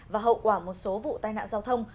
và hậu quả một số vụ tai nạn giao thông